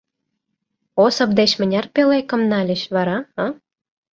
Осып деч мыняр пӧлекым нальыч вара, а?